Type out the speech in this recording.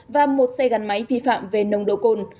và một xe gắn máy vi phạm về nồng độ cồn